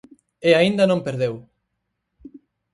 E aínda non perdeu.